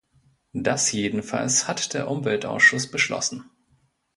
Das jedenfalls hat der Umweltausschuss beschlossen.